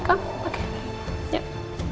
kamu minum enggak